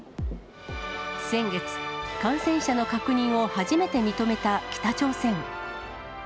先月、感染者の確認を初めて認めた北朝鮮。